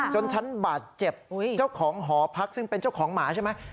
จนฉันบาดเจ็บเจ้าของหอพักซึ่งเป็นเจ้าของหมาใช่ไหม